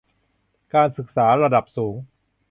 การศึกษาระดับสูง